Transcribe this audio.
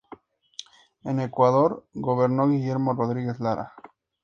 En Ecuador, gobernó Guillermo Rodríguez Lara.